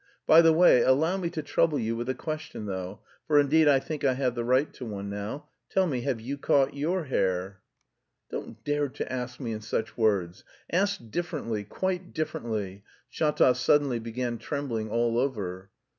By the way, allow me to trouble you with a question though, for indeed I think I have the right to one now. Tell me, have you caught your hare?" "Don't dare to ask me in such words! Ask differently, quite differently." Shatov suddenly began trembling all over.